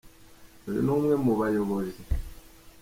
Uyu ni n’umwe mu bayobozi.